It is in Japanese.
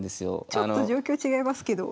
ちょっと状況違いますけど。